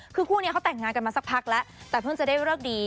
คือคู่นี้เขาแต่งงานกันมาสักพักแล้วแต่เพิ่งจะได้เลิกดี